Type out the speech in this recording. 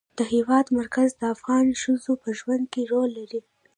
د هېواد مرکز د افغان ښځو په ژوند کې رول لري.